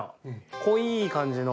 濃い感じの。